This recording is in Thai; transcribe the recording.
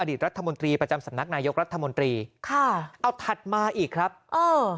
รัฐมนตรีประจำสำนักนายกรัฐมนตรีค่ะเอาถัดมาอีกครับเออ